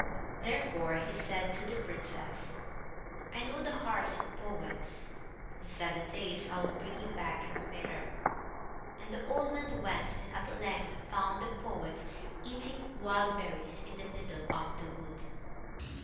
Therefore he said to the princess: "I know the hearts of poets. In seven days I will bring you back your mirror." And the old man went, and at length found the poet eating wild berries in the middle of the wood.